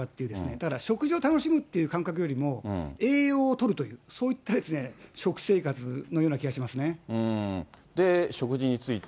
だから食事を楽しむという感覚よりも、栄養をとるという、そういった食生活のような気がしで、食事について。